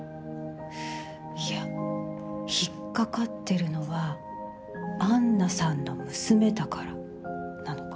いや引っかかってるのは安奈さんの娘だからなのか？